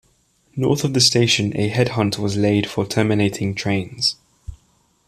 North of the station a headshunt was laid for terminating trains.